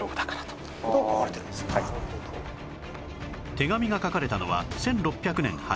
手紙が書かれたのは１６００年８月